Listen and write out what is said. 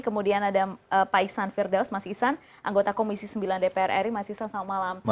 kemudian ada pak iksan firdaus mas iksan anggota komisi sembilan dpr ri mas iskan selamat malam